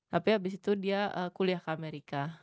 tapi abis itu dia kuliah ke amerika